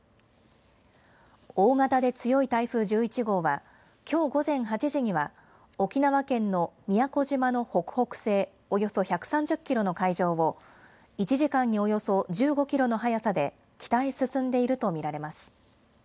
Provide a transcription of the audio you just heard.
大型で強い台風１１号は、きょう午前８時には、沖縄県の宮古島の北北西およそ１３０キロの海上を、１時間におよそ１５キロの速さで北へ進んでいると見られます。